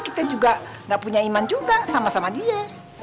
kita juga gak punya iman juga sama sama dia